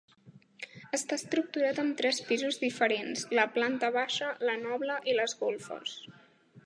Està estructurat amb tres pisos diferents: la planta baixa, la noble i les golfes.